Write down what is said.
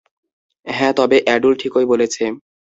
হ্যাঁ, তবে অ্যাডুল ঠিকই বলেছে!